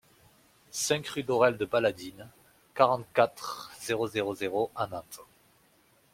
cinq rue d'Aurelle de Paladines, quarante-quatre, zéro zéro zéro à Nantes